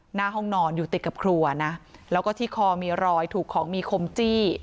หน้าห้องนอนอยู่ติดกับครัวนะแล้วก็ที่คอมีรอยถูกของมีคมจี้